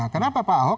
kenapa pak ahok